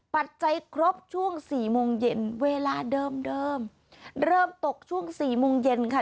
ปัจจัยครบช่วงสี่โมงเย็นเวลาเดิมเดิมเริ่มตกช่วงสี่โมงเย็นค่ะ